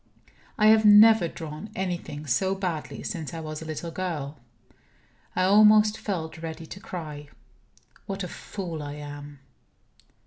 I have never drawn anything so badly since I was a little girl; I almost felt ready to cry. What a fool I am!